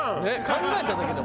考えただけで。